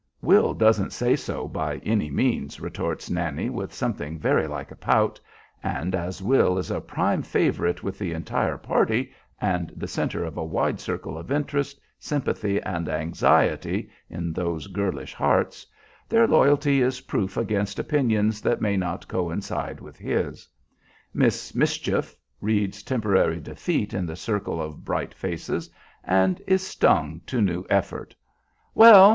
"Will doesn't say so by any means," retorts Nannie, with something very like a pout; and as Will is a prime favorite with the entire party and the centre of a wide circle of interest, sympathy, and anxiety in those girlish hearts, their loyalty is proof against opinions that may not coincide with his. "Miss Mischief" reads temporary defeat in the circle of bright faces and is stung to new effort, "Well!